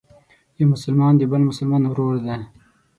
یو مسلمان د بل مسلمان ورور دی.